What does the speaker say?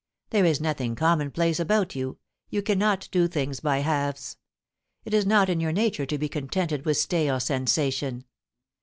There is nothing commonplace about you — you cannot do things by halves. It is not in your nature to be contented with stale sensation.